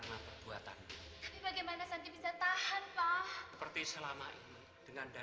sampai jumpa di video selanjutnya